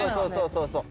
そうそう。